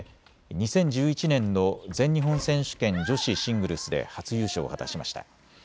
２０１１年の全日本選手権女子シングルスで初優勝を果たしました。